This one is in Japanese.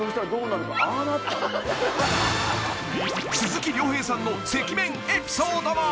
［鈴木亮平さんの赤面エピソードも］